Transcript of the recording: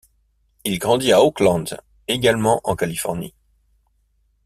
Il grandit à Oakland, également en Californie.